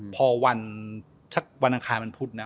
พอวันอังคารพุทธนะ